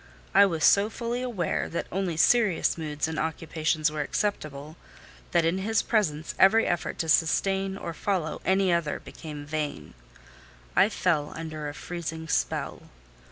I was so fully aware that only serious moods and occupations were acceptable, that in his presence every effort to sustain or follow any other became vain: I fell under a freezing spell.